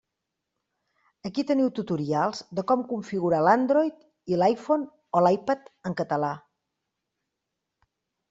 Aquí teniu tutorials de com configurar l'Android i l'iPhone o l'iPad en català.